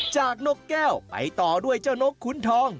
นกแก้วไปต่อด้วยเจ้านกขุนทอง